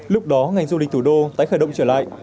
lúc đó ngành du lịch thủ đô tái khởi động trở lại